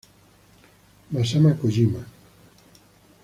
Masaya Kojima